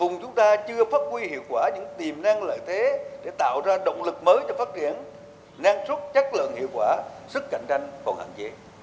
vùng chúng ta chưa phát huy hiệu quả những tiềm năng lợi thế để tạo ra động lực mới cho phát triển năng suất chất lượng hiệu quả sức cạnh tranh còn hạn chế